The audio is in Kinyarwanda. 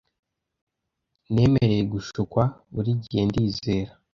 nemereye gushukwa buri gihe ndizera